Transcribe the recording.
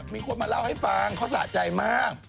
มีคนมาเล่าให้ฟังเขาสะใจมาก